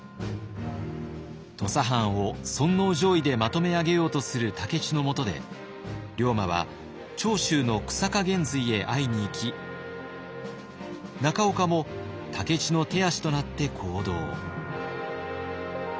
土佐藩を尊皇攘夷でまとめ上げようとする武市のもとで龍馬は長州の久坂玄瑞へ会いにいき中岡も武市の手足となって行動。